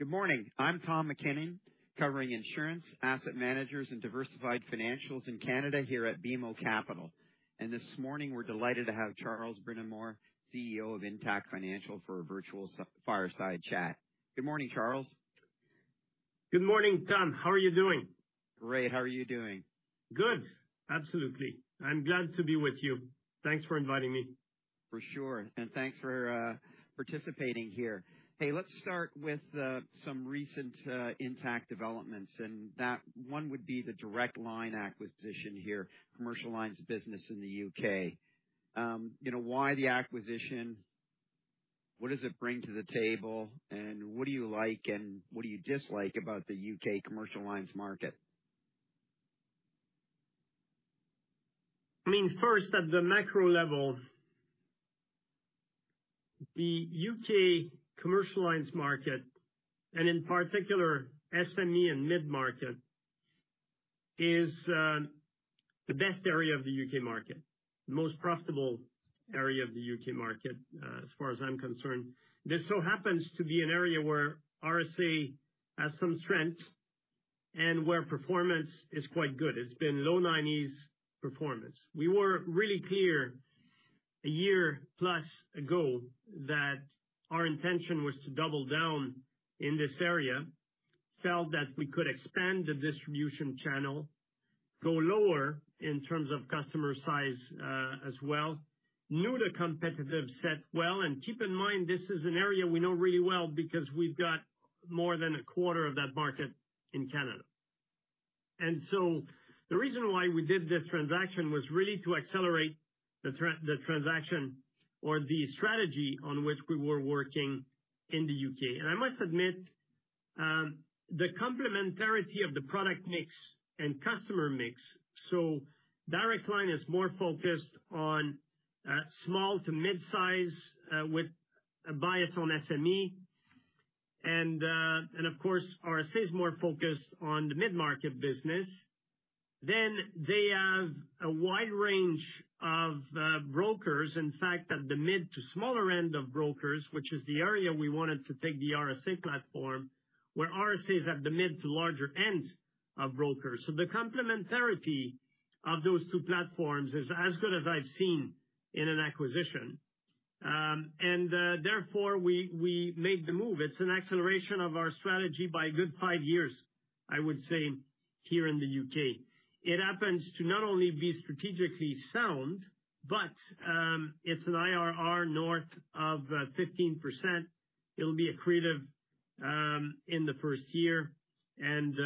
Good morning. I'm Tom MacKinnon, covering insurance, asset managers, and diversified financials in Canada here at BMO Capital. This morning, we're delighted to have Charles Brindamour, CEO of Intact Financial, for a virtual fireside chat. Good morning, Charles. Good morning, Tom. How are you doing? Great. How are you doing? Good. Absolutely. I'm glad to be with you. Thanks for inviting me. For sure, and thanks for participating here. Hey, let's start with some recent Intact developments, and that one would be the Direct Line acquisition here, Commercial Lines business in the U.K. You know, why the acquisition? What does it bring to the table, and what do you like, and what do you dislike about the U.K. Commercial Lines market? I mean, first, at the macro level, the U.K. commercial lines market, and in particular, SME and mid-market, is, the best area of the U.K. market, the most profitable area of the U.K. market, as far as I'm concerned. This so happens to be an area where RSA has some strength and where performance is quite good. It's been low 90s performance. We were really clear a year plus ago that our intention was to double down in this area, felt that we could expand the distribution channel, go lower in terms of customer size, as well, knew the competitive set well, and keep in mind, this is an area we know really well because we've got more than a quarter of that market in Canada. The reason why we did this transaction was really to accelerate the transaction or the strategy on which we were working in the U.K. I must admit, the complementarity of the product mix and customer mix, so Direct Line is more focused on small to mid-size, with a bias on SME, and of course, RSA is more focused on the mid-market business. Then they have a wide range of brokers. In fact, at the mid to smaller end of brokers, which is the area we wanted to take the RSA platform, where RSAs have the mid to larger end of brokers. So the complementarity of those two platforms is as good as I've seen in an acquisition. Therefore, we made the move. It's an acceleration of our strategy by a good five years, I would say, here in the U.K. It happens to not only be strategically sound, but it's an IRR north of 15%. It'll be accretive in the first year, and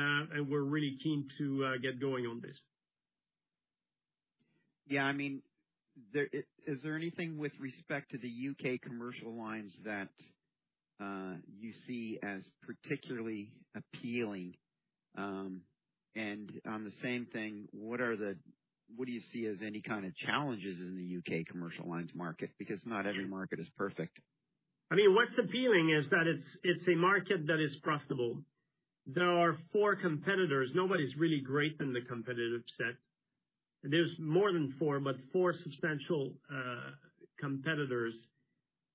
we're really keen to get going on this. Yeah, I mean, is there anything with respect to the U.K. commercial lines that you see as particularly appealing? And on the same thing, what do you see as any kind of challenges in the U.K. commercial lines market? Because not every market is perfect. I mean, what's appealing is that it's a market that is profitable. There are four competitors. Nobody's really great in the competitive set. There's more than four, but four substantial competitors.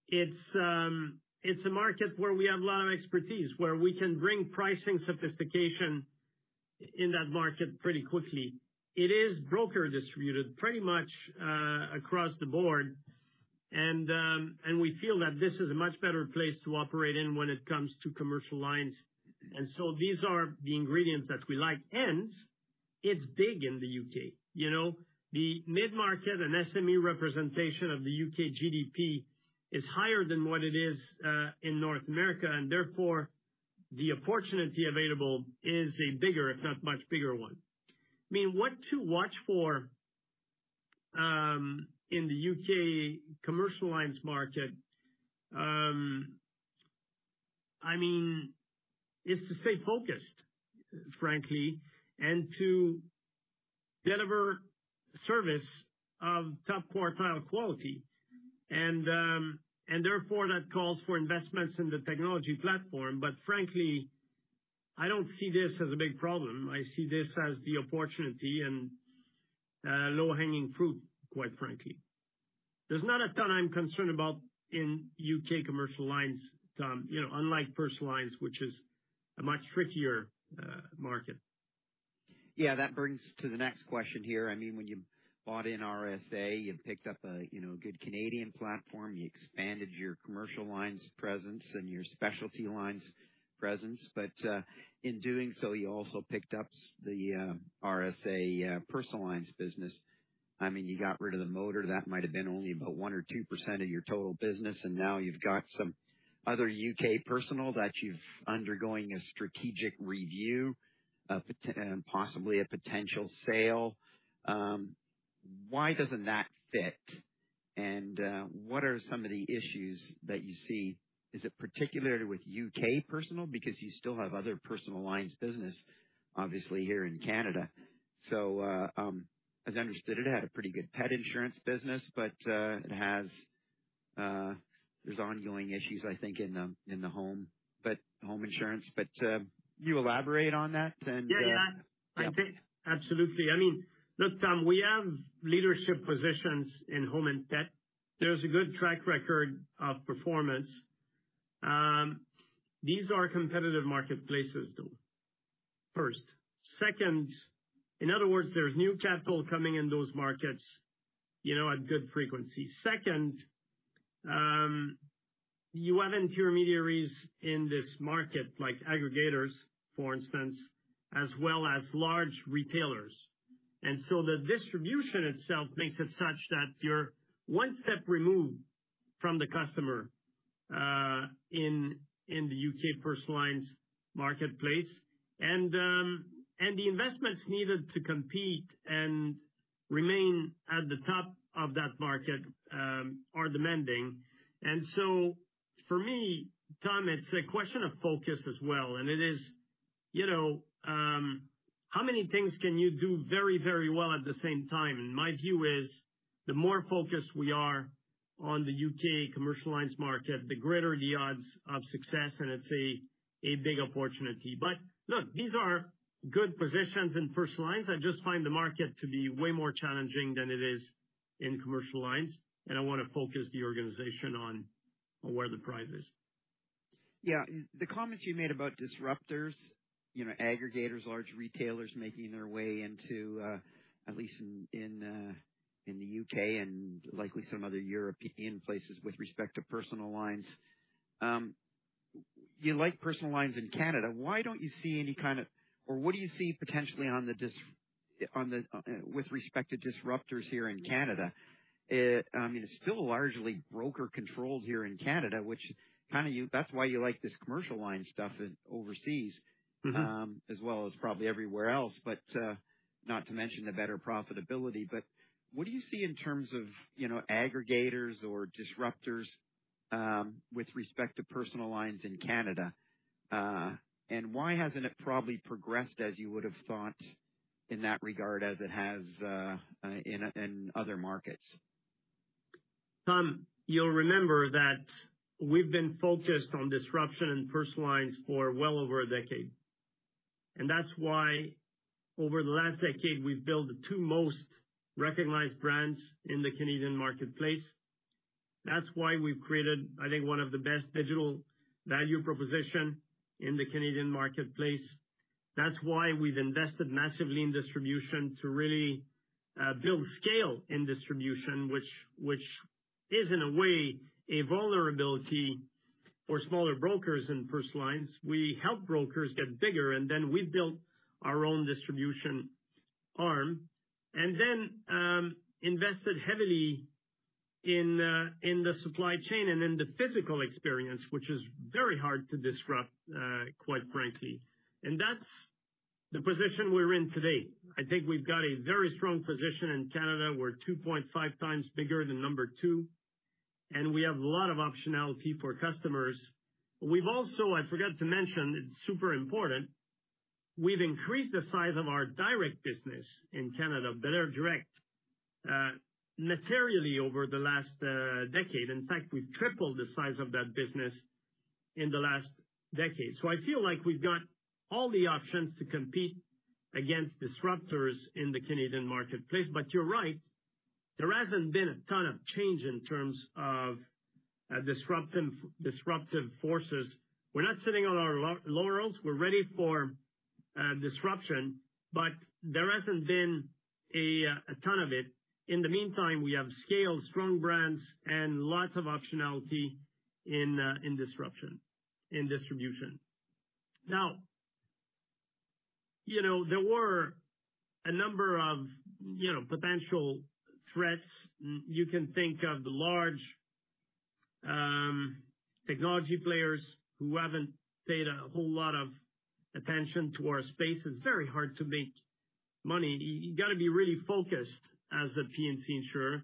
It's a market where we have a lot of expertise, where we can bring pricing sophistication in that market pretty quickly. It is broker-distributed pretty much across the board, and we feel that this is a much better place to operate in when it comes to commercial lines. And so these are the ingredients that we like. And it's big in the U.K. You know, the mid-market and SME representation of the U.K. GDP is higher than what it is in North America, and therefore, the opportunity available is a bigger, if not much bigger, one. I mean, what to watch for in the U.K. commercial lines market, I mean, is to stay focused, frankly, and to deliver service of top quartile quality. And, and therefore, that calls for investments in the technology platform. But frankly, I don't see this as a big problem. I see this as the opportunity and, low-hanging fruit, quite frankly. There's not a ton I'm concerned about in U.K. commercial lines, Tom, you know, unlike personal lines, which is a much trickier, market. Yeah, that brings to the next question here. I mean, when you bought RSA, you picked up a, you know, good Canadian platform, you expanded your Commercial Lines presence and your Specialty Lines presence. But in doing so, you also picked up the RSA Personal Lines business. I mean, you got rid of the motor, that might have been only about 1 or 2% of your total business, and now you've got some other U.K. personal that you're undergoing a strategic review, and possibly a potential sale. Why doesn't that fit? And what are some of the issues that you see? Is it particularly with U.K. personal? Because you still have other Personal Lines business, obviously, here in Canada. So, as I understood, it had a pretty good pet insurance business, but it has. There's ongoing issues, I think, in the home, but home insurance. But you elaborate on that and... Yeah, yeah. Yeah. Absolutely. I mean, look, Tom, we have leadership positions in home and pet. There's a good track record of performance. These are competitive marketplaces, though, first. Second, in other words, there's new capital coming in those markets, you know, at good frequency. Second, you have intermediaries in this market, like aggregators, for instance, as well as large retailers. And so the distribution itself makes it such that you're one step removed from the customer, in the U.K. personal lines marketplace. And the investments needed to compete and remain at the top of that market are demanding. And so for me, Tom, it's a question of focus as well, and it is, you know, how many things can you do very, very well at the same time? And my view is, the more focused we are on the U.K. commercial lines market, the greater the odds of success, and it's a bigger opportunity. But look, these are good positions in personal lines. I just find the market to be way more challenging than it is in commercial lines, and I want to focus the organization on where the prize is. Yeah. The comments you made about disruptors, you know, aggregators, large retailers, making their way into at least in the U.K. and likely some other European places with respect to personal lines. You like personal lines in Canada, why don't you see any kind of— or what do you see potentially on the dis- on the with respect to disruptors here in Canada? I mean, it's still largely broker controlled here in Canada, which kind of you, that's why you like this commercial line stuff in overseas- Mm-hmm. As well as probably everywhere else, but not to mention the better profitability. But what do you see in terms of, you know, aggregators or disruptors, with respect to personal lines in Canada? And why hasn't it probably progressed, as you would've thought in that regard, as it has in other markets? Tom, you'll remember that we've been focused on disruption in personal lines for well over a decade. And that's why over the last decade, we've built the two most recognized brands in the Canadian marketplace. That's why we've created, I think, one of the best digital value proposition in the Canadian marketplace. That's why we've invested massively in distribution to really build scale in distribution, which is, in a way, a vulnerability for smaller brokers in personal lines. We help brokers get bigger, and then we build our own distribution arm, and then invested heavily in the supply chain and in the physical experience, which is very hard to disrupt, quite frankly. And that's the position we're in today. I think we've got a very strong position in Canada. We're 2.5x bigger than number two, and we have a lot of optionality for customers. We've also, I forgot to mention, it's super important, we've increased the size of our direct business in Canada, belairdirect materially over the last decade. In fact, we've tripled the size of that business in the last decade. So I feel like we've got all the options to compete against disruptors in the Canadian marketplace. But you're right, there hasn't been a ton of change in terms of disruptive forces. We're not sitting on our laurels. We're ready for disruption, but there hasn't been a ton of it. In the meantime, we have scale, strong brands, and lots of optionality in disruption, in distribution. Now, you know, there were a number of, you know, potential threats. You can think of the large technology players who haven't paid a whole lot of attention to our space. It's very hard to make money. You gotta be really focused as a P&C insurer.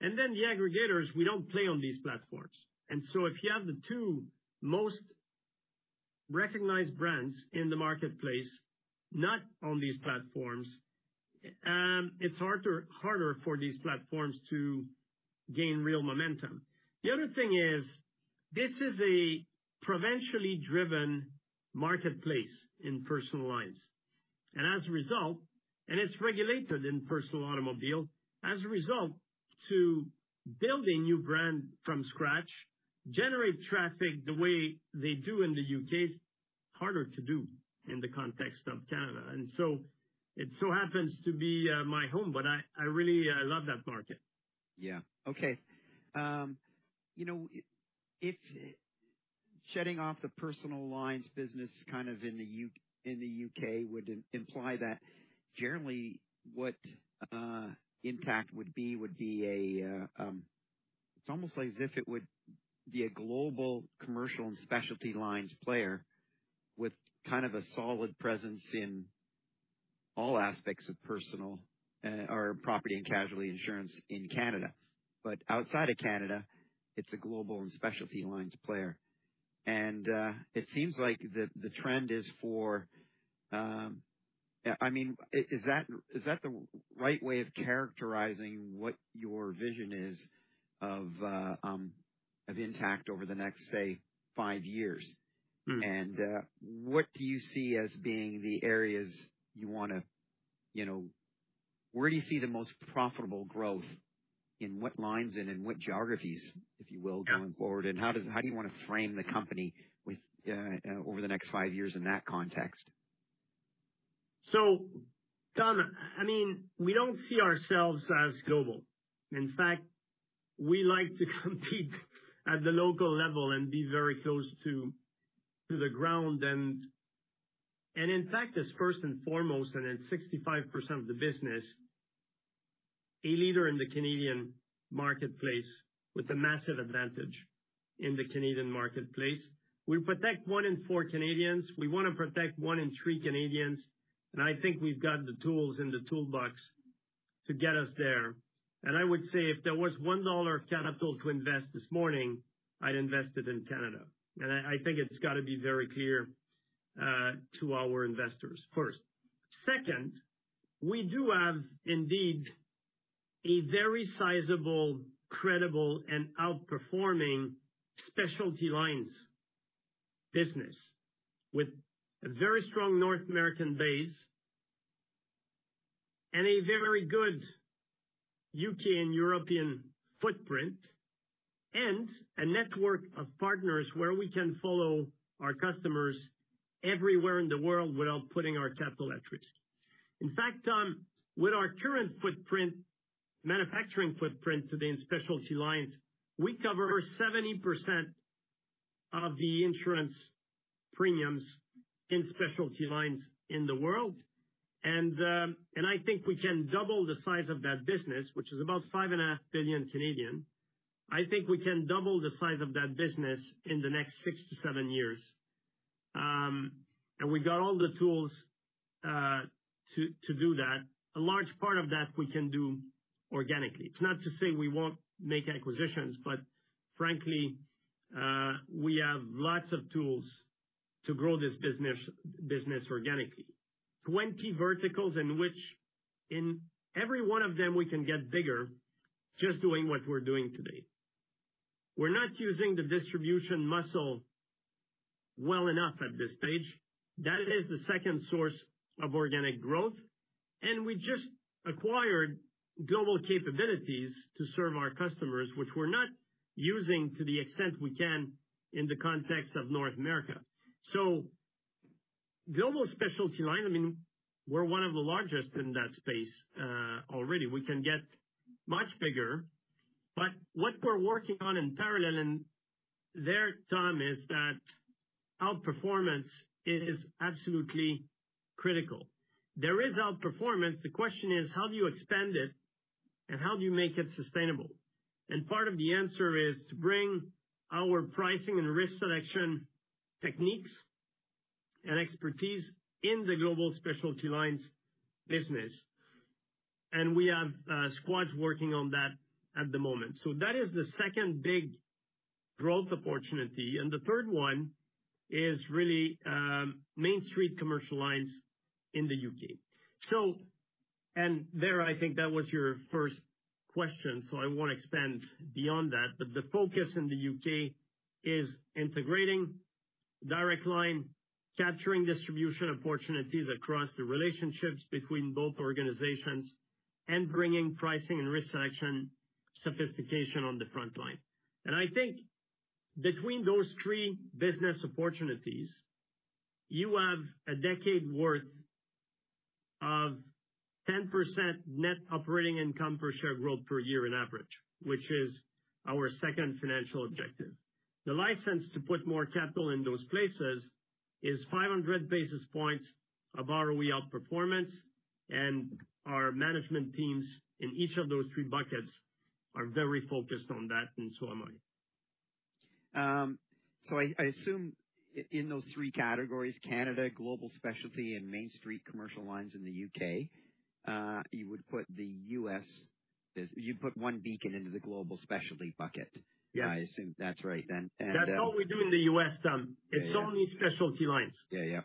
And then the aggregators, we don't play on these platforms. And so if you have the two most recognized brands in the marketplace, not on these platforms, it's harder, harder for these platforms to gain real momentum. The other thing is, this is a provincially driven marketplace in personal lines, and as a result, and it's regulated in personal automobile, as a result, to build a new brand from scratch, generate traffic the way they do in the U.K., is harder to do in the context of Canada. And so it so happens to be my home, but I really love that market. Yeah. Okay, you know, if shedding off the personal lines business kind of in the U.K. would imply that generally what Intact would be would be a, it's almost as if it would be a global commercial and specialty lines player with kind of a solid presence in all aspects of personal or property and casualty insurance in Canada. But outside of Canada, it's a global and specialty lines player. And it seems like the trend is for... I mean, is, is that, is that the right way of characterizing what your vision is of Intact over the next, say, five years? Mm. What do you see as being the areas you wanna, you know, pursue? Where do you see the most profitable growth, in what lines and in what geographies, if you will, going forward? And how does, how do you want to frame the company with, over the next five years in that context? So, Tom, I mean, we don't see ourselves as global. In fact, we like to compete at the local level and be very close to the ground. And in fact, us first and foremost, and then 65% of the business, a leader in the Canadian marketplace with a massive advantage in the Canadian marketplace. We protect one in four Canadians, we wanna protect one in three Canadians, and I think we've got the tools in the toolbox to get us there. And I would say, if there was 1 dollar of capital to invest this morning, I'd invest it in Canada. And I think it's gotta be very clear to our investors, first. Second, we do have indeed a very sizable, credible, and outperforming specialty lines business, with a very strong North American base and a very good U.K. and European footprint, and a network of partners where we can follow our customers everywhere in the world without putting our capital at risk. In fact, with our current footprint, manufacturing footprint today in specialty lines, we cover 70% of the insurance premiums in specialty lines in the world. And I think we can double the size of that business, which is about 5.5 billion. I think we can double the size of that business in the next 6-7 years. And we've got all the tools to do that. A large part of that we can do organically. It's not to say we won't make acquisitions, but frankly, we have lots of tools to grow this business, business organically. 20 verticals in which, in every one of them, we can get bigger just doing what we're doing today. We're not using the distribution muscle well enough at this stage. That is the second source of organic growth, and we just acquired global capabilities to serve our customers, which we're not using to the extent we can in the context of North America. So global specialty line, I mean, we're one of the largest in that space, already. We can get much bigger, but what we're working on in parallel, and there, Tom, is that outperformance is absolutely critical. There is outperformance, the question is: How do you expand it, and how do you make it sustainable? Part of the answer is to bring our pricing and risk selection techniques and expertise in the global specialty lines business. We have squads working on that at the moment. So that is the second big growth opportunity. The third one is really Main Street commercial lines in the U.K. And there, I think that was your first question, so I won't expand beyond that. But the focus in the U.K. is integrating Direct Line, capturing distribution opportunities across the relationships between both organizations, and bringing pricing and risk selection sophistication on the front line. And I think between those three business opportunities, you have a decade worth of 10% net operating income per share growth per year on average, which is our second financial objective. The license to put more capital in those places is 500 basis points of ROE outperformance, and our management teams in each of those three buckets are very focused on that in so many. So, I assume in those three categories, Canada, global specialty, and Main Street commercial lines in the U.K., you would put the U.S. business, you'd put OneBeacon into the global specialty bucket. Yeah. I assume that's right, then, and. That's all we do in the U.S., Tom. Yeah. It's only specialty lines. Yeah, yeah.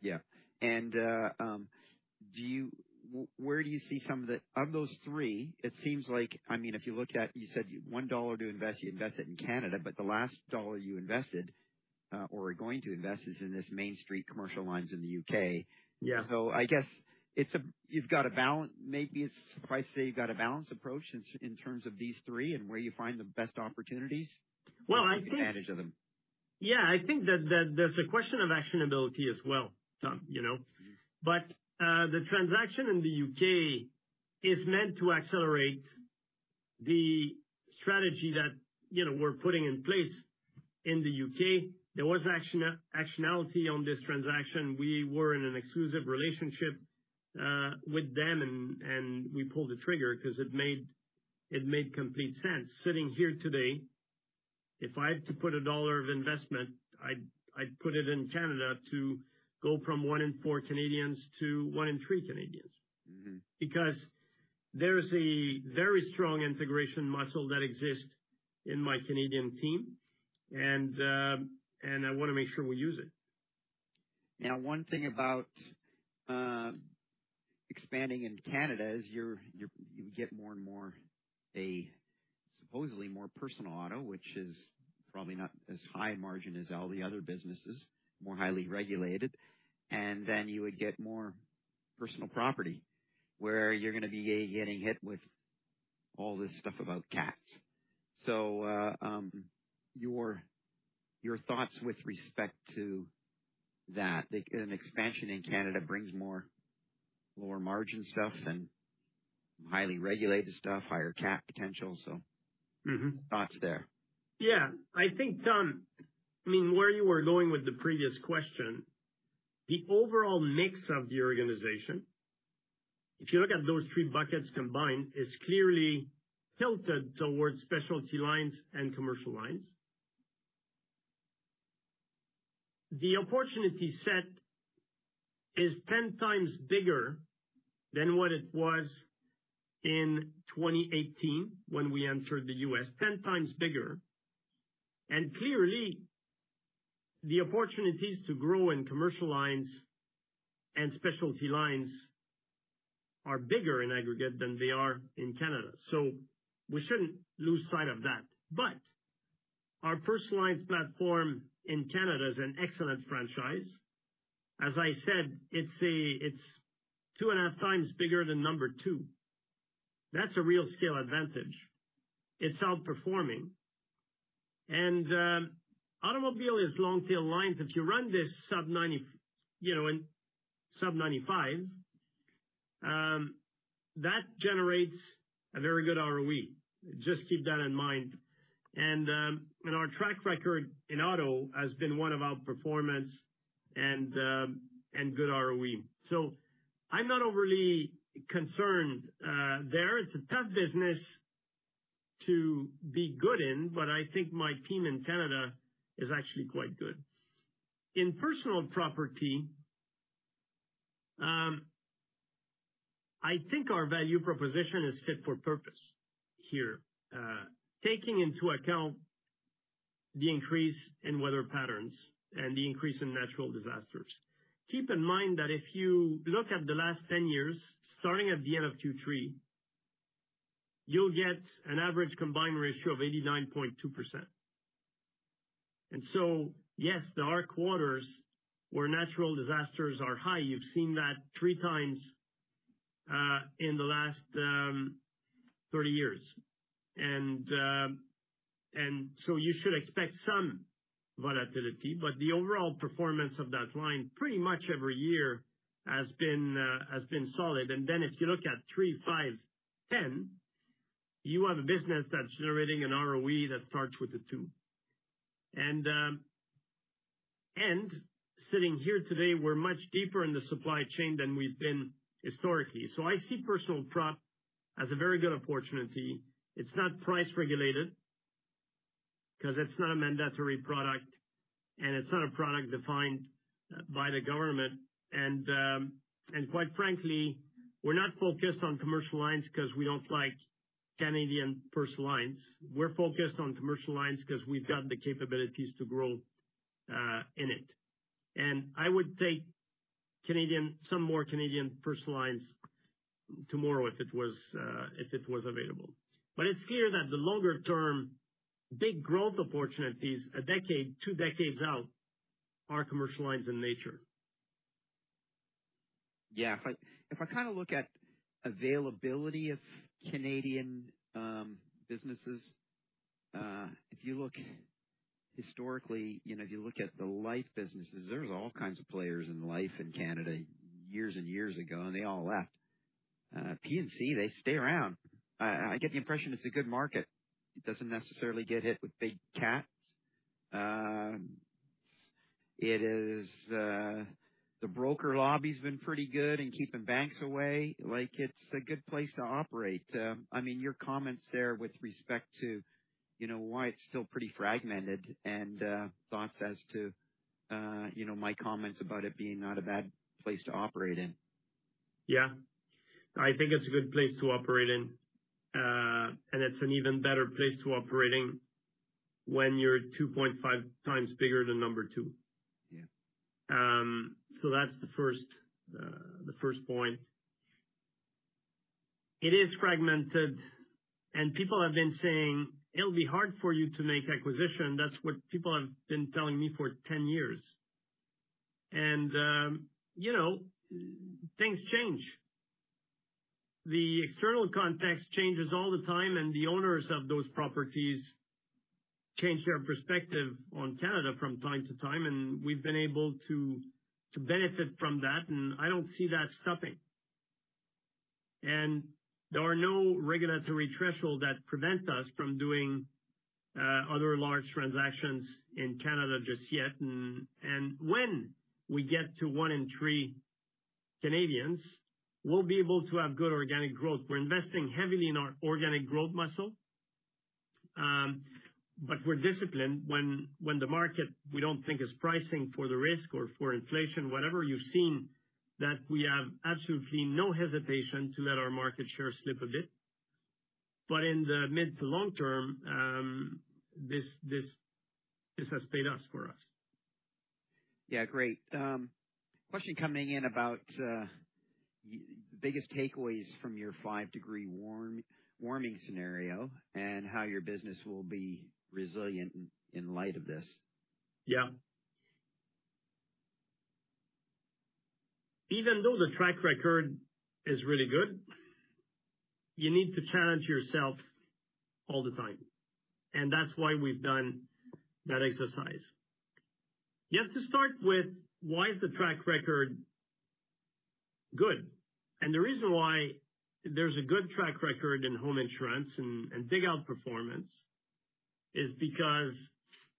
Yeah. And, where do you see some of the... Of those three, it seems like, I mean, if you looked at, you said 1 dollar to invest, you invest it in Canada, but the last dollar you invested, or are going to invest, is in this Main Street commercial lines in the U.K. Yeah. So I guess you've got a balanced approach in terms of these three and where you find the best opportunities? Well, I think- Take advantage of them. Yeah, I think that there's a question of actionability as well, Tom, you know? Mm-hmm. But, the transaction in the U.K. is meant to accelerate the strategy that, you know, we're putting in place in the U.K. There was action, actionality on this transaction. We were in an exclusive relationship, with them, and, and we pulled the trigger because it made, it made complete sense. Sitting here today, if I have to put a dollar of investment, I'd, I'd put it in Canada to go from one in four Canadians to one in three Canadians. Mm-hmm. Because there is a very strong integration muscle that exists in my Canadian team, and, and I wanna make sure we use it. Now, one thing about expanding in Canada is you get more and more supposedly more personal auto, which is probably not as high margin as all the other businesses, more highly regulated, and then you would get more personal property, where you're gonna be getting hit with all this stuff about cats. So, your thoughts with respect to that, that an expansion in Canada brings more lower margin stuff and highly regulated stuff, higher cat potential. So- Mm-hmm. Thoughts there? Yeah, I think, Don, I mean, where you were going with the previous question, the overall mix of the organization, if you look at those three buckets combined, is clearly tilted towards specialty lines and commercial lines. The opportunity set is 10x bigger than what it was in 2018 when we entered the U.S., 10x bigger. And clearly, the opportunities to grow in commercial lines and specialty lines are bigger in aggregate than they are in Canada, so we shouldn't lose sight of that. But our personal lines platform in Canada is an excellent franchise. As I said, it's 2.5x bigger than number two. That's a real scale advantage. It's outperforming. And automobile is long-tail lines. If you run this sub-90, you know, in sub-95, that generates a very good ROE. Just keep that in mind. And our track record in auto has been one of outperformance and good ROE. So I'm not overly concerned there. It's a tough business to be good in, but I think my team in Canada is actually quite good. In personal property, I think our value proposition is fit for purpose here, taking into account the increase in weather patterns and the increase in natural disasters. Keep in mind that if you look at the last 10 years, starting at the end of 2023, you'll get an average combined ratio of 89.2%. And so, yes, there are quarters where natural disasters are high. You've seen that 3x in the last 30 years. You should expect some volatility, but the overall performance of that line, pretty much every year, has been solid. Then if you look at three, five, 10, you have a business that's generating an ROE that starts with a two. Sitting here today, we're much deeper in the supply chain than we've been historically. So I see personal prop as a very good opportunity. It's not price regulated, 'cause it's not a mandatory product, and it's not a product defined by the government. Quite frankly, we're not focused on commercial lines because we don't like Canadian personal lines. We're focused on commercial lines 'cause we've got the capabilities to grow in it. I would take some more Canadian personal lines tomorrow if it was available. It's clear that the longer term, big growth opportunities, a decade, two decades out, are commercial lines in nature. Yeah. If I kind of look at availability of Canadian businesses, if you look historically, you know, if you look at the life businesses, there was all kinds of players in life in Canada years and years ago, and they all left. P&C, they stay around. I get the impression it's a good market. It doesn't necessarily get hit with big cats. It is, the broker lobby's been pretty good in keeping banks away, like, it's a good place to operate. I mean, your comments there with respect to, you know, why it's still pretty fragmented and, thoughts as to, you know, my comments about it being not a bad place to operate in. Yeah. I think it's a good place to operate in, and it's an even better place to operating when you're 2.5x bigger than number two. Yeah. So that's the first, the first point. It is fragmented, and people have been saying, "It'll be hard for you to make acquisition." That's what people have been telling me for 10 years. And, you know, things change. The external context changes all the time, and the owners of those properties change their perspective on Canada from time to time, and we've been able to, to benefit from that, and I don't see that stopping. And there are no regulatory thresholds that prevent us from doing, other large transactions in Canada just yet. And, and when we get to one in three Canadians, we'll be able to have good organic growth. We're investing heavily in our organic growth muscle, but we're disciplined when, when the market, we don't think, is pricing for the risk or for inflation, whatever. You've seen that we have absolutely no hesitation to let our market share slip a bit, but in the mid to long term, this has paid off for us. Yeah, great. Question coming in about the biggest takeaways from your five-degree warming scenario, and how your business will be resilient in light of this. Yeah. Even though the track record is really good, you need to challenge yourself all the time, and that's why we've done that exercise. You have to start with: why is the track record good? And the reason why there's a good track record in home insurance and auto performance is because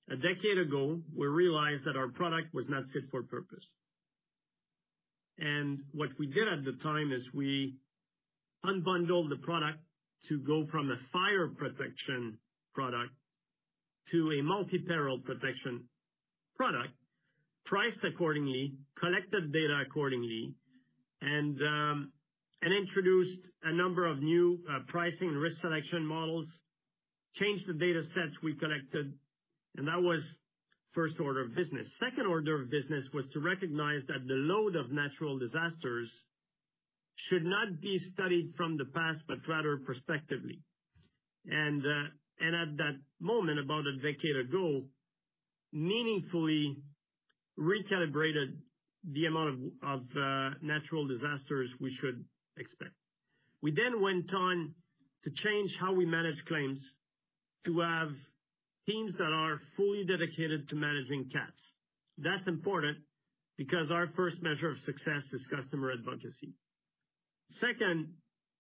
a decade ago, we realized that our product was not fit for purpose. And what we did at the time is, we unbundled the product to go from a fire protection product to a multi-peril protection product, priced accordingly, collected data accordingly, and and introduced a number of new pricing and risk selection models, changed the data sets we collected, and that was first order of business. Second order of business was to recognize that the load of natural disasters should not be studied from the past, but rather prospectively. At that moment, about a decade ago, meaningfully recalibrated the amount of natural disasters we should expect. We then went on to change how we manage claims, to have teams that are fully dedicated to managing cats. That's important because our first measure of success is customer advocacy. Second,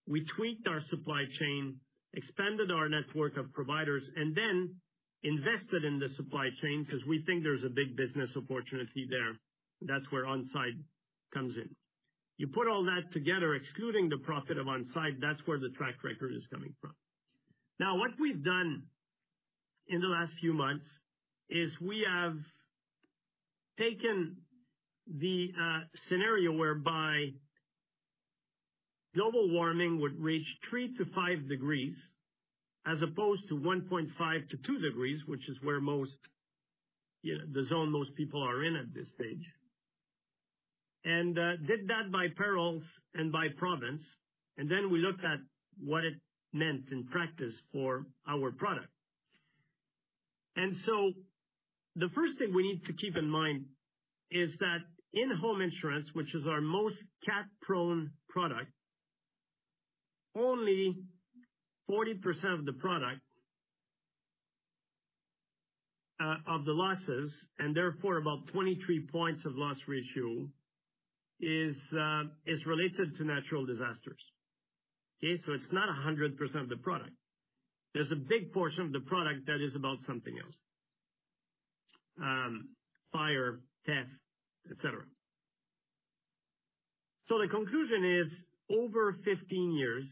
we tweaked our supply chain, expanded our network of providers, and then invested in the supply chain, because we think there's a big business opportunity there. That's where On Side comes in. You put all that together, excluding the profit of On Side, that's where the track record is coming from. Now, what we've done in the last few months is we have taken the scenario whereby global warming would reach 3-5 degrees, as opposed to 1.5-2 degrees, which is where most, you know, the zone most people are in at this stage. And did that by perils and by province, and then we looked at what it meant in practice for our product. And so the first thing we need to keep in mind is that in home insurance, which is our most cat-prone product, only 40% of the product, of the losses, and therefore about 23 points of loss ratio, is related to natural disasters. Okay? So it's not 100% of the product. There's a big portion of the product that is about something else, fire, theft, et cetera. So the conclusion is, over 15 years,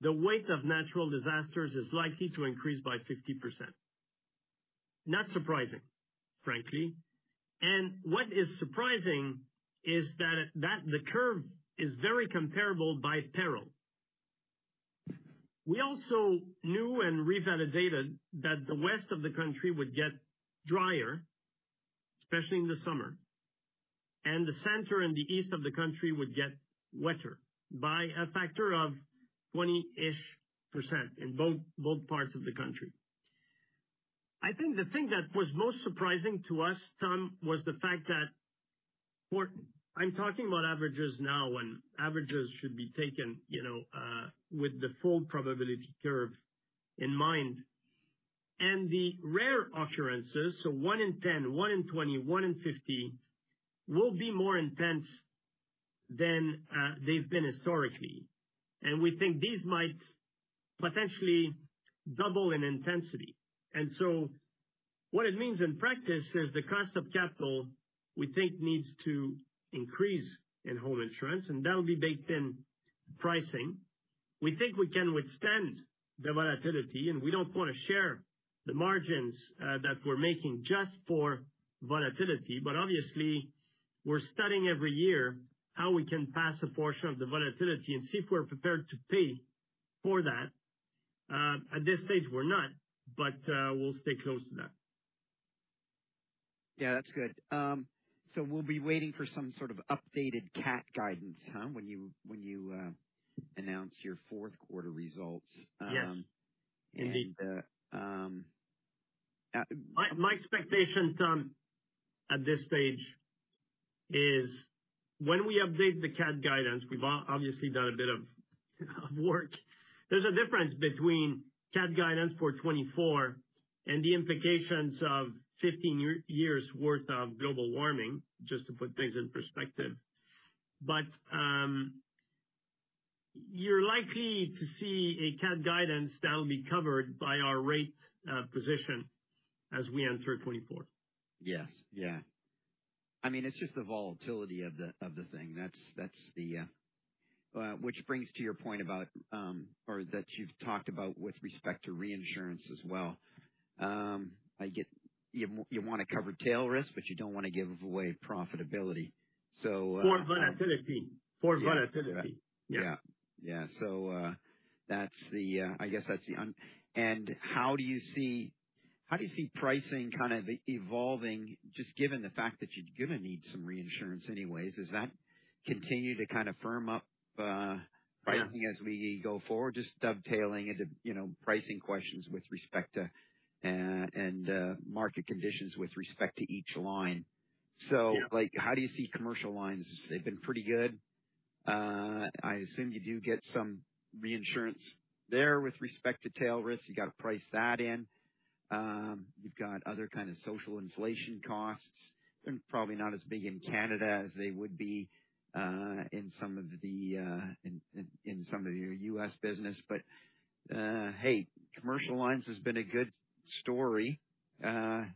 the weight of natural disasters is likely to increase by 50%. Not surprising, frankly, and what is surprising is that, that the curve is very comparable by peril. We also knew and revalidated that the west of the country would get drier, especially in the summer, and the center and the east of the country would get wetter, by a factor of 20-ish% in both, both parts of the country. I think the thing that was most surprising to us, Tom, was the fact that for... I'm talking about averages now, and averages should be taken, you know, with the full probability curve in mind. And the rare occurrences, so one in 10, one in 20, one in 50, will be more intense than, they've been historically. And we think these might potentially double in intensity. And so what it means in practice is the cost of capital, we think, needs to increase in home insurance, and that will be baked in pricing. We think we can withstand the volatility, and we don't want to share the margins, that we're making just for volatility. But obviously, we're studying every year how we can pass a portion of the volatility and see if we're prepared to pay for that. At this stage, we're not, but, we'll stay close to that. Yeah, that's good. So we'll be waiting for some sort of updated Cat guidance, huh, when you announce your fourth quarter results. Yes. Indeed. And... My expectation, Tom, at this stage is when we update the Cat guidance, we've obviously done a bit of work. There's a difference between Cat guidance for 2024, and the implications of 15 years worth of global warming, just to put things in perspective. But, you're likely to see a Cat guidance that will be covered by our rate position as we enter 2024. Yes. Yeah. I mean, it's just the volatility of the, of the thing. That's, that's the... Which brings to your point about, or that you've talked about with respect to reinsurance as well. I get you, you wanna cover tail risk, but you don't wanna give away profitability, so, For volatility. For volatility. How do you see, how do you see pricing kind of evolving, just given the fact that you're gonna need some reinsurance anyways? Does that continue to kind of firm up pricing as we go forward? Just dovetailing into, you know, pricing questions with respect to, and market conditions with respect to each line. Yeah. So like, how do you see commercial lines? They've been pretty good. I assume you do get some reinsurance there with respect to tail risk. You gotta price that in. You've got other kind of social inflation costs, and probably not as big in Canada as they would be in some of your U.S. business. But, hey, commercial lines has been a good story. How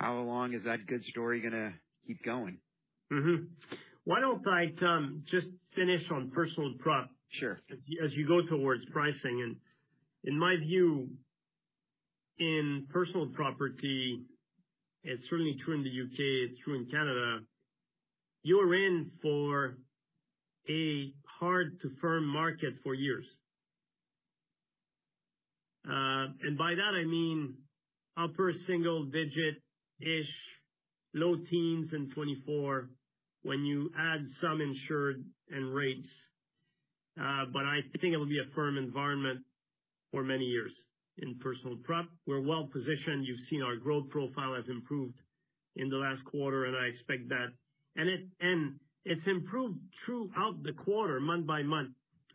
long is that good story gonna keep going? Mm-hmm. Why don't I just finish on personal prop- Sure. As you go towards pricing. In my view, in personal property, it's certainly true in the U.K., it's true in Canada, you're in for a hard to firm market for years. And by that I mean upper single digit-ish, low teens in 2024, when you add some insured and rates. But I think it will be a firm environment for many years in personal prop. We're well positioned. You've seen our growth profile has improved in the last quarter, and I expect that. And it's improved throughout the quarter, month by month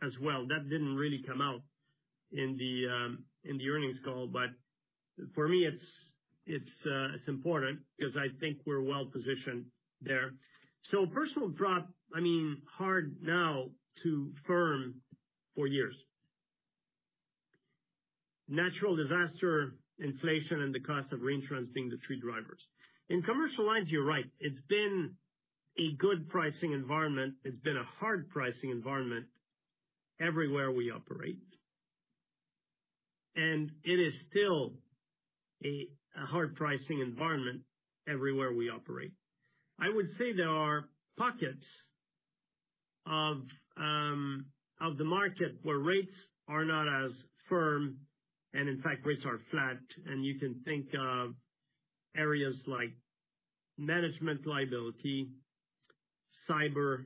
as well. That didn't really come out in the earnings call. But for me, it's important because I think we're well positioned there. So personal prop, I mean, hard now to firm for years. Natural disaster, inflation, and the cost of reinsurance being the three drivers. In commercial lines, you're right, it's been a good pricing environment. It's been a hard pricing environment everywhere we operate. It is still a hard pricing environment everywhere we operate. I would say there are pockets of the market where rates are not as firm, and in fact, rates are flat. You can think of areas like management liability, cyber,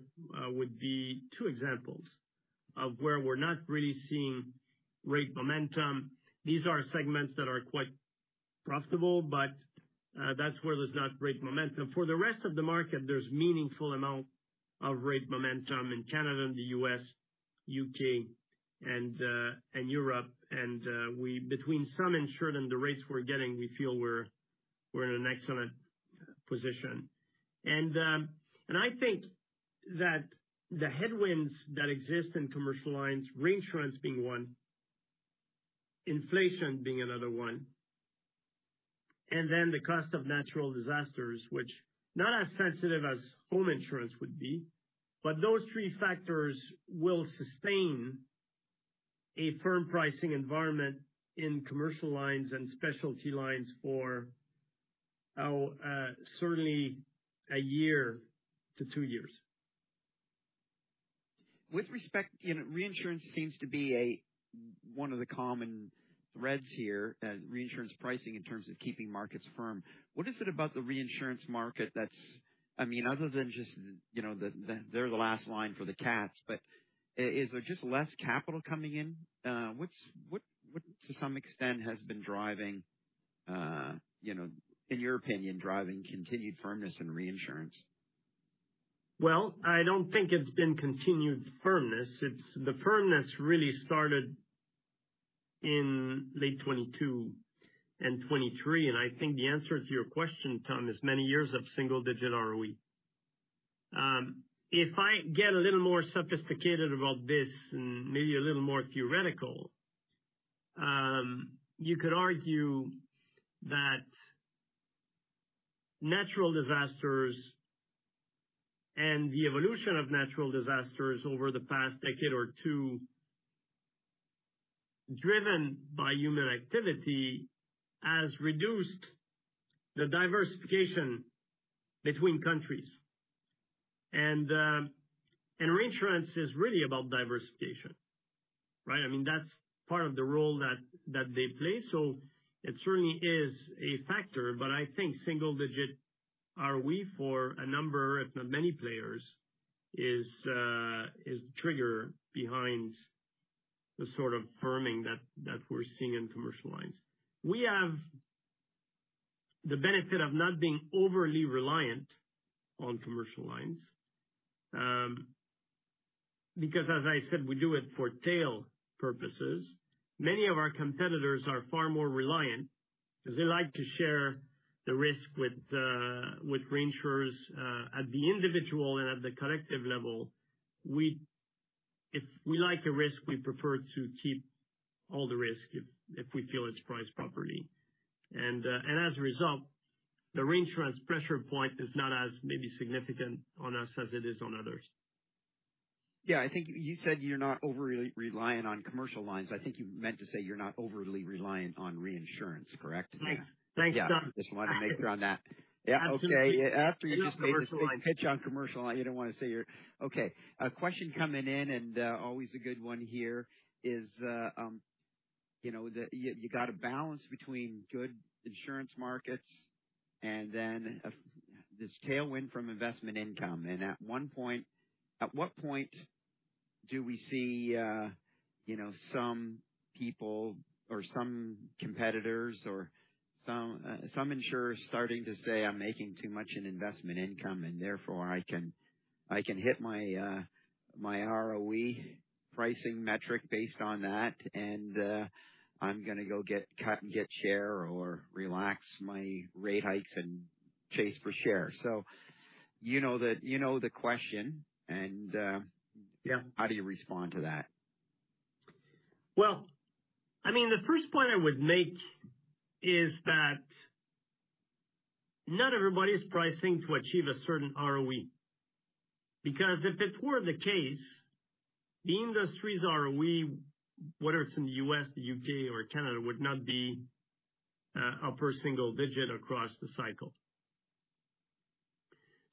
would be two examples of where we're not really seeing rate momentum. These are segments that are quite profitable, but that's where there's not great momentum. For the rest of the market, there's meaningful amount of rate momentum in Canada, the U.S., U.K., and Europe. We between some insured and the rates we're getting, we feel we're in an excellent position. I think that the headwinds that exist in commercial lines, reinsurance being one, inflation being another one, and then the cost of natural disasters, which not as sensitive as home insurance would be. But those three factors will sustain a firm pricing environment in commercial lines and specialty lines for certainly a year to 2 years. With respect, you know, reinsurance seems to be one of the common threads here, as reinsurance pricing in terms of keeping markets firm. What is it about the reinsurance market that's... I mean, other than just, you know, they're the last line for the cats, but is there just less capital coming in? What, to some extent, has been driving, you know, in your opinion, driving continued firmness in reinsurance? Well, I don't think it's been continued firmness. It's the firmness really started in late 2022 and 2023, and I think the answer to your question, Tom, is many years of single-digit ROE. If I get a little more sophisticated about this and maybe a little more theoretical, you could argue that natural disasters and the evolution of natural disasters over the past decade or two, driven by human activity, has reduced the diversification between countries. And reinsurance is really about diversification, right? I mean, that's part of the role that they play. So it certainly is a factor, but I think single-digit ROEs for a number of, if not many, players is the trigger behind the sort of firming that we're seeing in commercial lines. We have the benefit of not being overly reliant on commercial lines, because, as I said, we do it for long-tail purposes. Many of our competitors are far more reliant because they like to share the risk with, with reinsurers, at the individual and at the collective level. If we like the risk, we prefer to keep all the risk, if, if we feel it's priced properly. And, and as a result, the reinsurance pressure point is not as maybe significant on us as it is on others. Yeah, I think you said you're not overly reliant on commercial lines. I think you meant to say you're not overly reliant on reinsurance, correct? Thanks. Thanks, Tom. Yeah, just wanted to make sure on that. Yeah. Okay. After you just made the pitch on commercial, you didn't want to say you're... Okay. A question coming in, and, always a good one here, is... You know, you got a balance between good insurance markets and then a, this tailwind from investment income. And at one point- at what point do we see, you know, some people or some competitors or some, some insurers starting to say, "I'm making too much in investment income, and therefore I can, I can hit my, my ROE pricing metric based on that, and, I'm gonna go get, cut and get share or relax my rate hikes and chase for share?" So you know the, you know the question, and, Yeah. How do you respond to that? Well, I mean, the first point I would make is that not everybody is pricing to achieve a certain ROE, because if it were the case, the industry's ROE, whether it's in the U.S., the U.K., or Canada, would not be upper single digit across the cycle.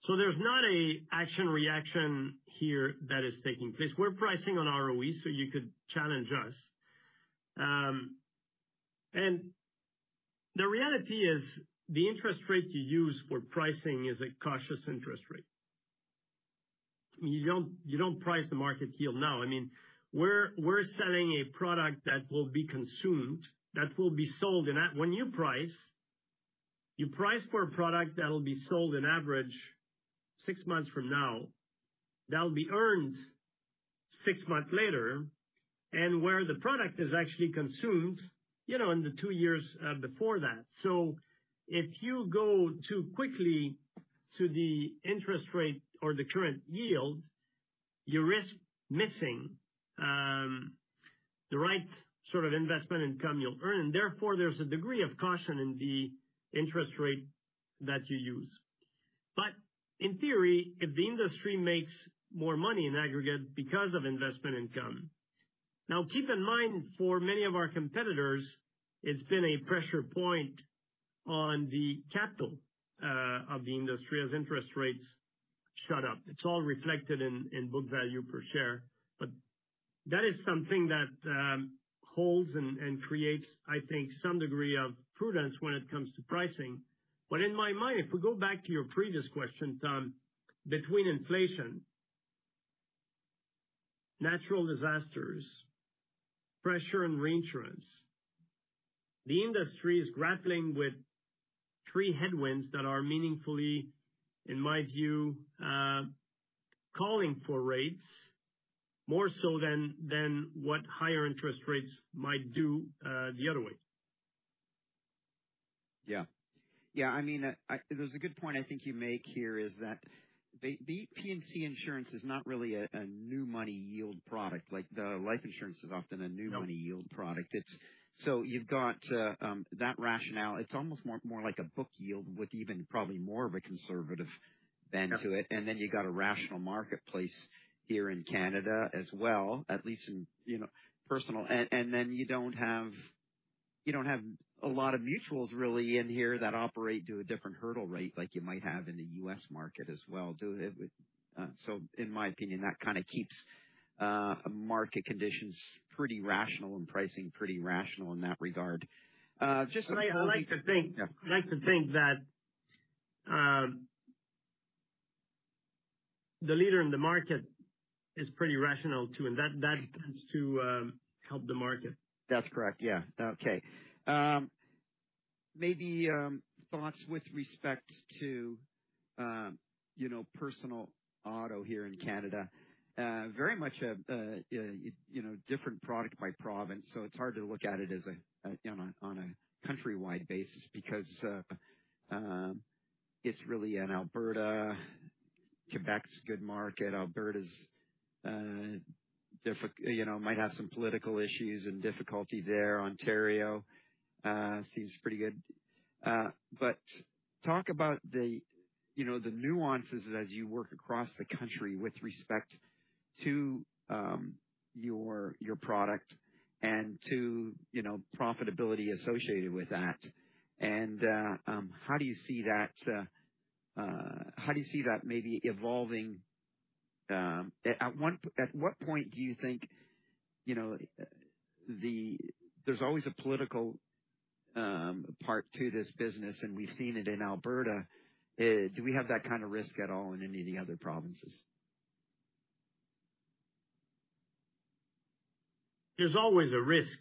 So there's not an action-reaction here that is taking place. We're pricing on ROE, so you could challenge us. And the reality is, the interest rate you use for pricing is a cautious interest rate. You don't, you don't price the market yield now. I mean, we're, we're selling a product that will be consumed, that will be sold. When you price, you price for a product that'll be sold in average six months from now, that'll be earned six months later, and where the product is actually consumed, you know, in the two years before that. So if you go too quickly to the interest rate or the current yield, you risk missing the right sort of investment income you'll earn, and therefore, there's a degree of caution in the interest rate that you use. But in theory, if the industry makes more money in aggregate because of investment income... Now, keep in mind, for many of our competitors, it's been a pressure point on the capital of the industry as interest rates shot up. It's all reflected in book value per share. But that is something that holds and creates, I think, some degree of prudence when it comes to pricing. But in my mind, if we go back to your previous question, Tom, between inflation, natural disasters, pressure and reinsurance, the industry is grappling with three headwinds that are meaningfully, in my view, calling for rates more so than, than what higher interest rates might do, the other way. Yeah. Yeah, I mean, there's a good point I think you make here, is that the, the P&C insurance is not really a, a new money yield product, like, the life insurance is often a new- No... money yield product. It's, so you've got, that rationale. It's almost more, more like a book yield with even probably more of a conservative bent to it. Yeah. And then you've got a rational marketplace here in Canada as well, at least in, you know, personal. And then you don't have a lot of mutuals really in here that operate to a different hurdle rate like you might have in the U.S. market as well, do it? So in my opinion, that kind of keeps market conditions pretty rational and pricing pretty rational in that regard. Just- I like to think- Yeah. I like to think that the leader in the market is pretty rational, too, and that tends to help the market. That's correct. Yeah. Okay. Maybe thoughts with respect to you know personal auto here in Canada. Very much a different product by province, so it's hard to look at it as on a countrywide basis because it's really in Alberta. Quebec's a good market. Alberta's you know might have some political issues and difficulty there. Ontario seems pretty good. But talk about the you know the nuances as you work across the country with respect to your product and to you know profitability associated with that. And how do you see that how do you see that maybe evolving? At what point do you think, you know, there's always a political part to this business, and we've seen it in Alberta. Do we have that kind of risk at all in any of the other provinces? There's always a risk.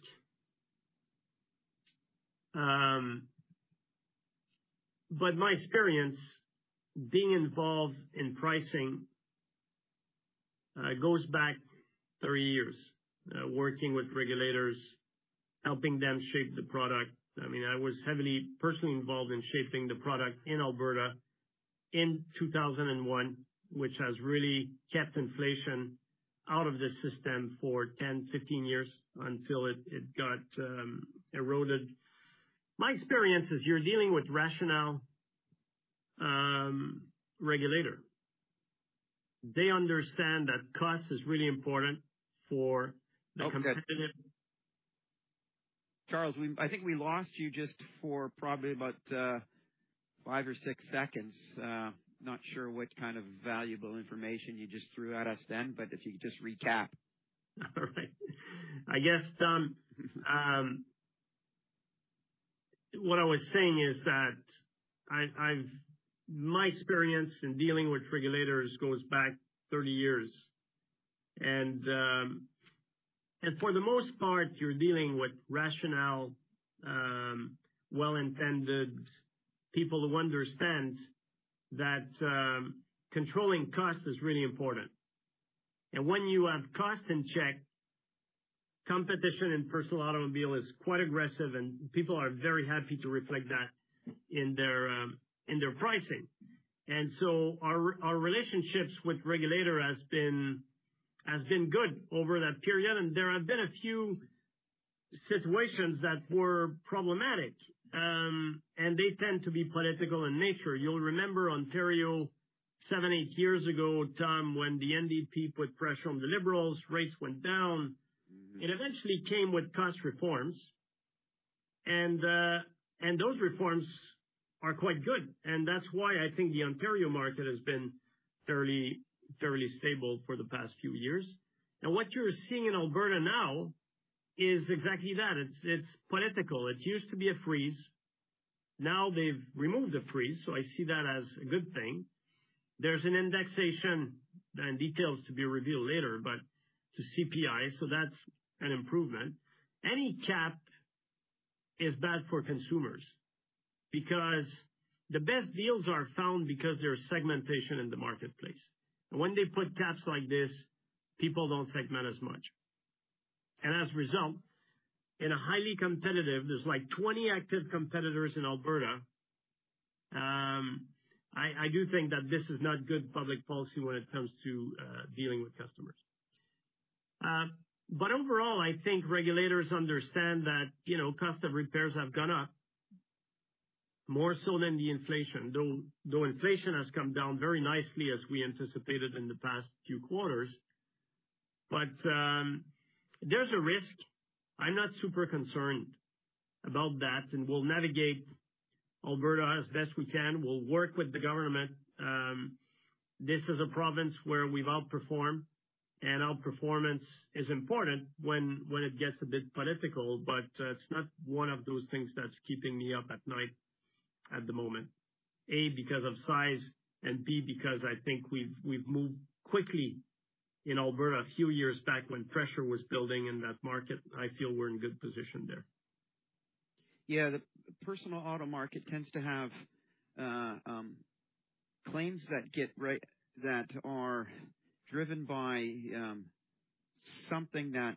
But my experience being involved in pricing goes back 30 years, working with regulators, helping them shape the product. I mean, I was heavily personally involved in shaping the product in Alberta in 2001, which has really kept inflation out of the system for 10-15 years until it got eroded. My experience is you're dealing with rational regulator. They understand that cost is really important for the competitive- Charles, we, I think we lost you just for probably about five or six seconds, not sure what kind of valuable information you just threw at us then, but if you could just recap. All right. I guess, Tom, what I was saying is that I've my experience in dealing with regulators goes back 30 years. And for the most part, you're dealing with rational, well-intended people who understand that controlling cost is really important. And when you have cost in check, competition in personal automobile is quite aggressive, and people are very happy to reflect that in their, in their pricing. And so our, our relationships with regulator has been, has been good over that period, and there have been a few situations that were problematic. And they tend to be political in nature. You'll remember Ontario, seven to eight years ago, Tom, when the NDP put pressure on the Liberals, rates went down. It eventually came with cost reforms, and those reforms are quite good. That's why I think the Ontario market has been fairly, fairly stable for the past few years. Now, what you're seeing in Alberta now is exactly that. It's political. It used to be a freeze. Now they've removed the freeze, so I see that as a good thing. There's an indexation and details to be revealed later, but to CPI, so that's an improvement. Any cap is bad for consumers because the best deals are found because there's segmentation in the marketplace. And when they put caps like this, people don't segment as much. And as a result, in a highly competitive, there's like 20 active competitors in Alberta, I do think that this is not good public policy when it comes to dealing with customers. But overall, I think regulators understand that, you know, cost of repairs have gone up more so than the inflation. Though inflation has come down very nicely, as we anticipated in the past few quarters. But there's a risk. I'm not super concerned about that, and we'll navigate Alberta as best we can. We'll work with the government. This is a province where we've outperformed, and outperformance is important when it gets a bit political, but it's not one of those things that's keeping me up at night at the moment, A, because of size, and B, because I think we've moved quickly in Alberta a few years back when pressure was building in that market. I feel we're in good position there. Yeah, the personal auto market tends to have claims that are driven by something that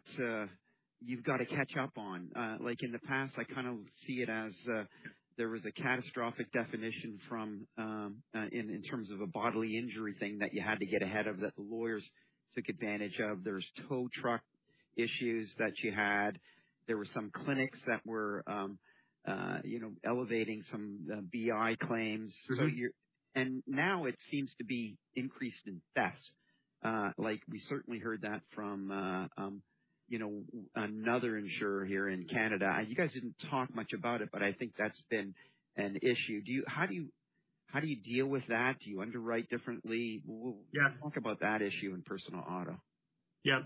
you've got to catch up on. Like in the past, I kind of see it as there was a catastrophic definition from in terms of a bodily injury thing that you had to get ahead of, that the lawyers took advantage of. There's tow truck issues that you had. There were some clinics that were you know elevating some BI claims. Mm-hmm. And now it seems to be increased in theft. Like, we certainly heard that from, you know, another insurer here in Canada. And you guys didn't talk much about it, but I think that's been an issue. How do you deal with that? Do you underwrite differently? Yeah. Talk about that issue in personal auto. Yeah.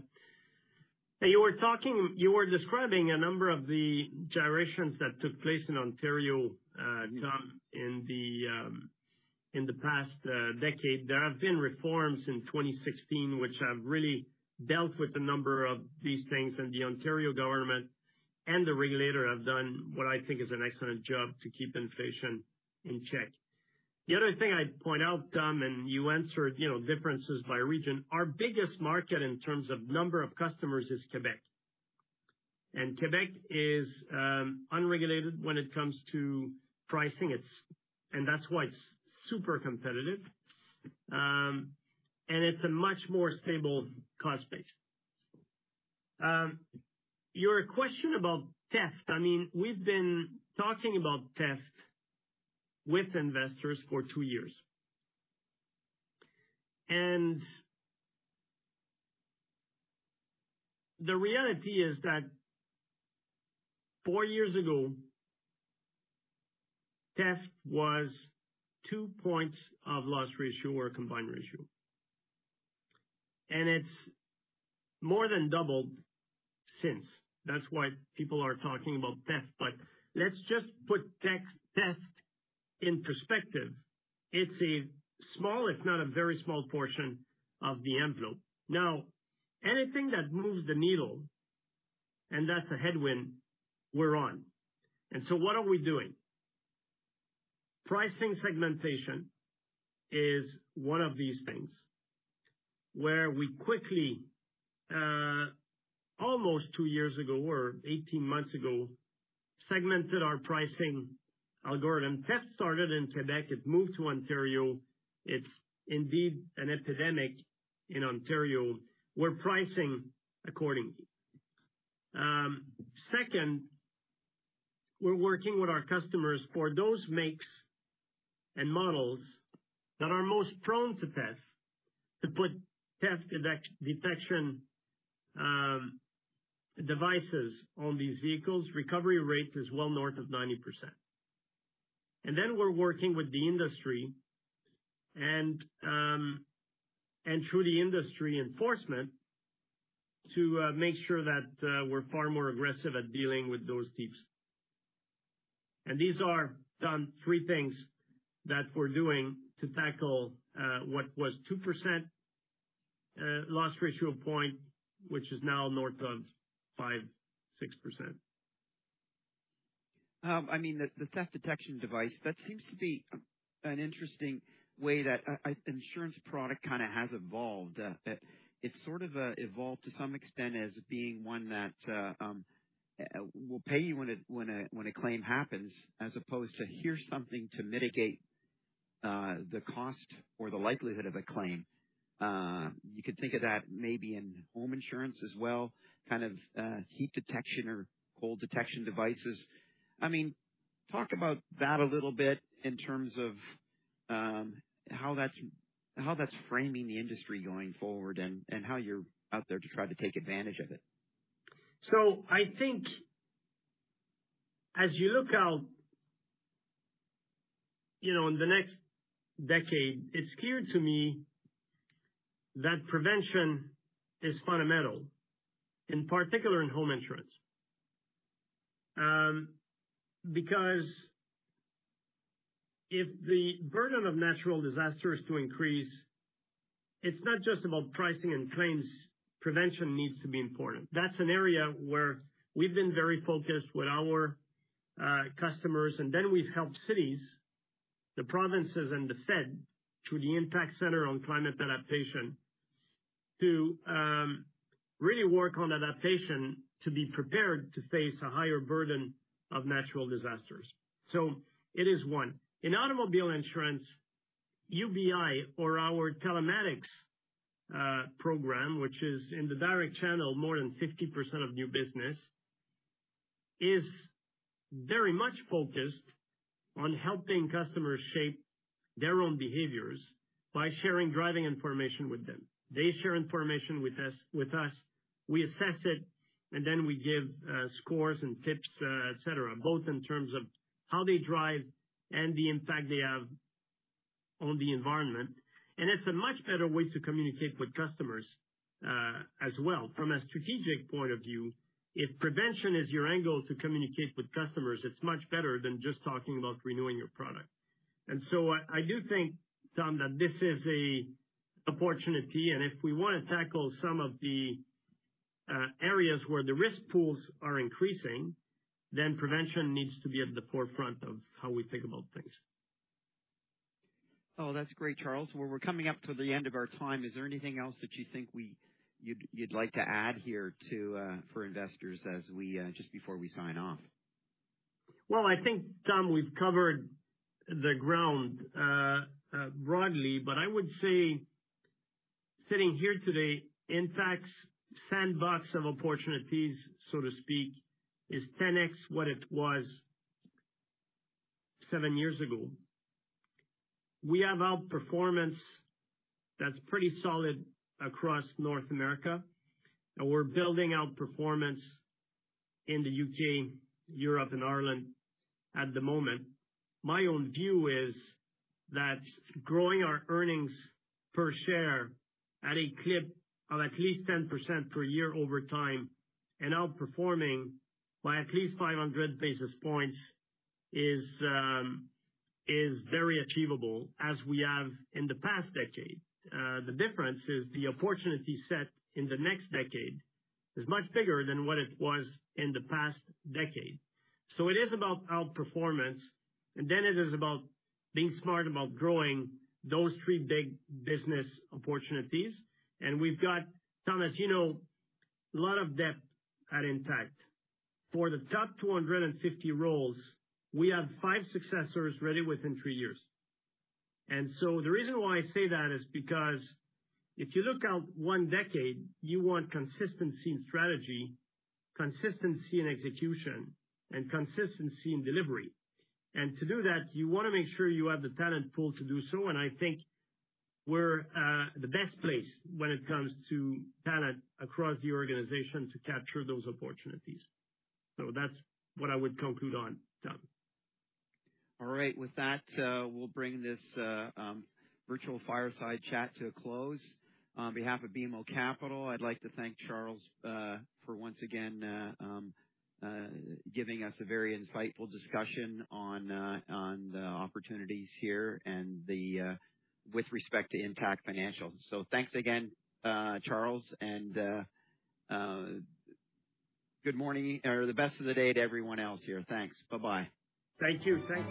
You were talking, you were describing a number of the gyrations that took place in Ontario, Tom, in the past decade. There have been reforms in 2016, which have really dealt with a number of these things, and the Ontario government and the regulator have done what I think is an excellent job to keep inflation in check. The other thing I'd point out, Tom, and you answered, you know, differences by region. Our biggest market, in terms of number of customers, is Quebec. And Quebec is unregulated when it comes to pricing, it's and that's why it's super competitive, and it's a much more stable cost base. Your question about theft, I mean, we've been talking about theft with investors for two years. And... The reality is that four years ago, theft was 2 points of loss ratio or combined ratio, and it's more than doubled since. That's why people are talking about theft. But let's just put theft in perspective. It's a small, if not a very small, portion of the envelope. Now, anything that moves the needle, and that's a headwind we're on. And so what are we doing? Pricing segmentation is one of these things, where we quickly, almost two years ago or 18 months ago, segmented our pricing algorithm. Theft started in Quebec. It moved to Ontario. It's indeed an epidemic in Ontario. We're pricing accordingly. Second, we're working with our customers for those makes and models that are most prone to theft, to put theft detection devices on these vehicles, recovery rates is well north of 90%. And then we're working with the industry and through the industry enforcement, to make sure that we're far more aggressive at dealing with those thieves. And these are, Tom, three things that we're doing to tackle what was 2% loss ratio point, which is now north of 5-6%. I mean, the theft detection device, that seems to be an interesting way that an insurance product kind of has evolved. It's sort of evolved to some extent as being one that will pay you when a claim happens, as opposed to, here's something to mitigate the cost or the likelihood of a claim. You could think of that maybe in home insurance as well, kind of heat detection or cold detection devices. I mean, talk about that a little bit in terms of how that's framing the industry going forward, and how you're out there to try to take advantage of it. So I think as you look out, you know, in the next decade, it's clear to me that prevention is fundamental, in particular in home insurance. Because if the burden of natural disasters is to increase, it's not just about pricing and claims, prevention needs to be important. That's an area where we've been very focused with our customers, and then we've helped cities, the provinces, and the Fed, through the Intact Centre on Climate Adaptation, to really work on adaptation, to be prepared to face a higher burden of natural disasters. So it is one. In automobile insurance, UBI or our telematics program, which is in the direct channel, more than 50% of new business, is very much focused on helping customers shape their own behaviors by sharing driving information with them. They share information with us, we assess it, and then we give scores and tips, et cetera, both in terms of how they drive and the impact they have on the environment. It's a much better way to communicate with customers, as well. From a strategic point of view, if prevention is your angle to communicate with customers, it's much better than just talking about renewing your product. So I do think, Tom, that this is a opportunity, and if we wanna tackle some of the areas where the risk pools are increasing, then prevention needs to be at the forefront of how we think about things. Oh, that's great, Charles. Well, we're coming up to the end of our time. Is there anything else that you think you'd like to add here to, for investors as we just before we sign off? Well, I think, Tom, we've covered the ground broadly, but I would say sitting here today, Intact's sandbox of opportunities, so to speak, is 10x what it was seven years ago. We have outperformance that's pretty solid across North America, and we're building outperformance in the U.K., Europe and Ireland at the moment. My own view is that growing our earnings per share at a clip of at least 10% per year over time, and outperforming by at least 500 basis points is very achievable, as we have in the past decade. The difference is the opportunity set in the next decade is much bigger than what it was in the past decade. So it is about outperformance, and then it is about being smart about growing those three big business opportunities. And we've got, Tom, as you know, a lot of depth at Intact. For the top 250 roles, we have five successors ready within three years. And so the reason why I say that is because if you look out 1 decade, you want consistency in strategy, consistency in execution, and consistency in delivery. And to do that, you wanna make sure you have the talent pool to do so, and I think we're the best place when it comes to talent across the organization to capture those opportunities. So that's what I would conclude on, Tom. All right. With that, we'll bring this virtual fireside chat to a close. On behalf of BMO Capital, I'd like to thank Charles for once again giving us a very insightful discussion on the opportunities here and with respect to Intact Financial. So thanks again, Charles, and good morning, or the best of the day to everyone else here. Thanks. Bye-bye. Thank you. Thank you.